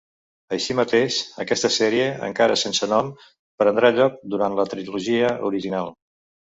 Així mateix, aquesta sèrie, encara sense nom, prendrà lloc durant la trilogia original.